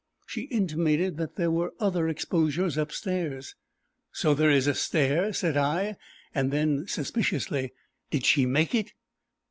She intimated that there were other exposures upstairs. "So there is a stair," said I, and then, suspiciously, "did she make it?"